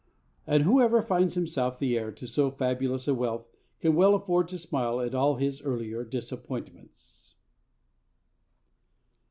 And whoever finds himself the heir of so fabulous a wealth can well afford to smile at all his earlier disappointments.